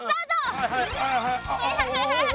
はいはいはいはい。